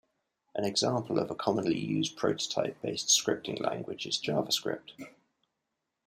An example of a commonly used prototype-based scripting language is JavaScript.